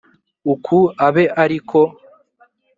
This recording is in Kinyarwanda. uko abe ari ko